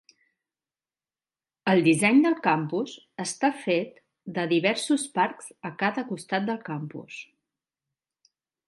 El disseny del campus està fet de diversos parcs a cada costat del campus.